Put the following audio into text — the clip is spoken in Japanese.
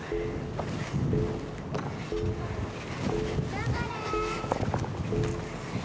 頑張れ！